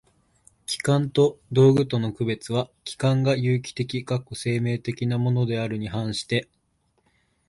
器官と道具との区別は、器官が有機的（生命的）なものであるに反して